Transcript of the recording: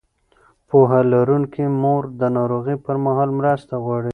پوهه لرونکې مور د ناروغۍ پر مهال مرسته غواړي.